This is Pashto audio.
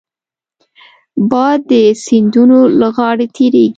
باد د سیندونو له غاړې تېرېږي